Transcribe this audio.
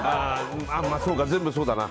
まあそうか、全部そうだな。